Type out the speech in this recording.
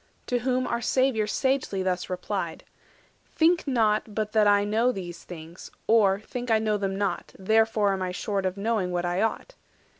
To whom our Saviour sagely thus replied:— "Think not but that I know these things; or, think I know them not, not therefore am I short Of knowing what I ought.